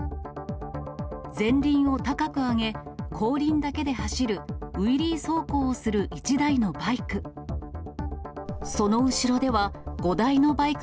前輪を高く上げ、後輪だけで走るウィリー走行をする１台のバイク。